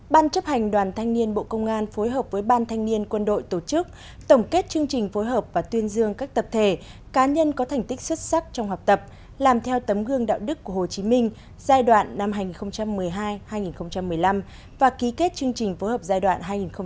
ban chấp hành đoàn thanh niên bộ công an phối hợp với ban thanh niên quân đội tổ chức tổng kết chương trình phối hợp và tuyên dương các tập thể cá nhân có thành tích xuất sắc trong học tập làm theo tấm gương đạo đức của hồ chí minh giai đoạn năm hai nghìn một mươi hai hai nghìn một mươi năm và ký kết chương trình phối hợp giai đoạn hai nghìn một mươi sáu hai nghìn hai mươi